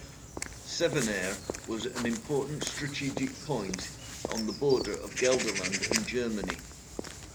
Sevenaer was an important strategic point on the border of Gelderland and Germany.